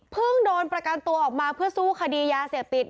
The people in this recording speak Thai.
โดนประกันตัวออกมาเพื่อสู้คดียาเสพติด